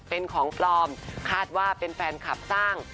เป็นของปลอมคาดว่าเป็นแฟนคลับสร้าง